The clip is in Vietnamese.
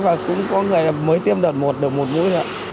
và cũng có người mới tiêm đợt một đợt một mũi